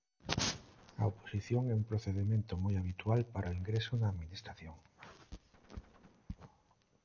A oposición é un procedemento moi habitual para o ingreso na administración.